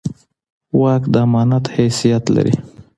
واک د امانت حیثیت لري